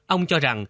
ông cho rằng